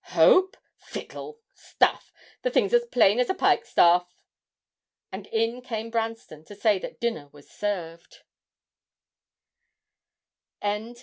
'Hope? fiddle! stuff! the thing's as plain as a pikestaff.' And in came Branston to say that dinner was served.